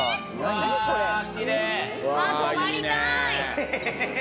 泊まりたい！